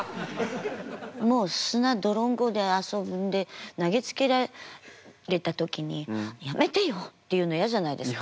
もう砂どろんこで遊んで投げつけられた時に「やめてよ」って言うの嫌じゃないですか。